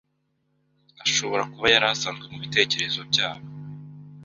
ashobora kuba yari asanzwe mubiterezo byabo